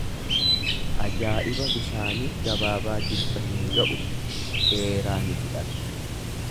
Ajaa'iba bishaanii gabaabaa jilba hin ga'u dheeraa ni fudhata.